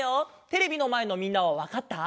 テレビのまえのみんなはわかった？